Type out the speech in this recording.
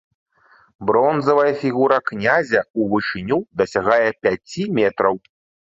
Бронзавая фігура князя ў вышыню дасягае пяці метраў.